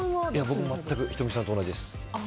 僕も全く仁美さんと同じです。